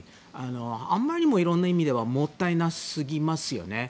あんまりにも、いろんな意味でもったいなすぎますよね。